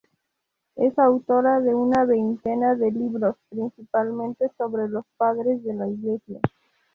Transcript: Es autora de una veintena de libros, principalmente sobre los Padres de la Iglesia.